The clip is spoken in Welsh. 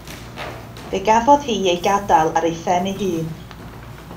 Fe gafodd hi ei gadael ar ei phen ei hun.